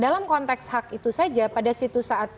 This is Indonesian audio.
dan dalam konteks hak itu saja pada situasi saat ini